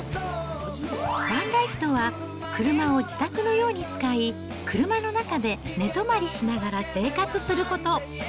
バンライフとは、車を自宅のように使い、車の中で寝泊まりしながら生活すること。